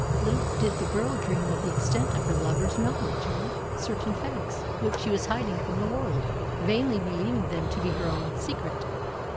Little did the girl dream of the extent of her lover's knowledge of certain facts which she was hiding from the world, vainly believing them to be her own secret.